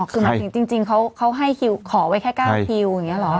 คือหมายถึงจริงเขาให้คิวขอไว้แค่๙คิวอย่างนี้หรอ